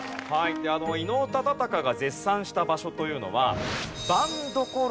伊能忠敬が絶賛した場所というのは。